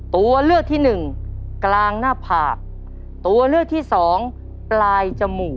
ตัวเลือกที่หนึ่งกลางหน้าผากตัวเลือกที่สองปลายจมูก